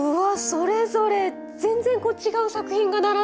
それぞれ全然違う作品が並んでますね。